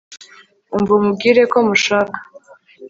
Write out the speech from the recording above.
umva umubwireko mushaka